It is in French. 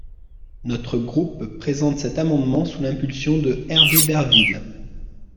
Notre groupe présente cet amendement sous l’impulsion de Hervé Berville.